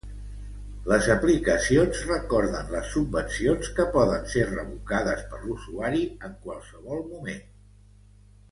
Les aplicacions recorden les subvencions, que poden ser revocades per l'usuari en qualsevol moment.